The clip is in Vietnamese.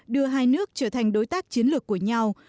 đưa hai nước trở thành đối tác chiến lược của nhau